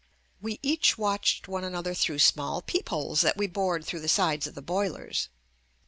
We each watched one another through small peep holes that we bored through the sides of the boilers.